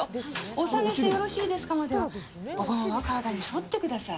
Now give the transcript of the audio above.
お下げしてよろしいですかまでは、お盆は体に沿ってください。